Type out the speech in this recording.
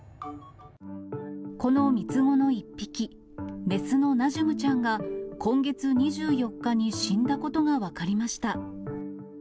この３つ子の１匹、雌のナジュムちゃんが、今月２４日に死んだことが分かりました。